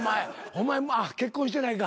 お前結婚してないか。